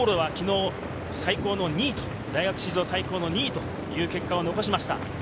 往路は昨日、最高の２位。大学史上最高の２位という結果を残しました。